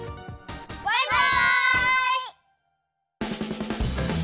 バイバイ！